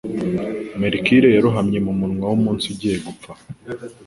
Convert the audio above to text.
Mercure yarohamye mumunwa wumunsi ugiye gupfa.